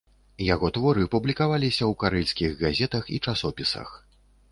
Яго творы публікаваліся ў карэльскіх газетах і часопісах.